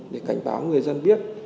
để cảnh báo người dân biết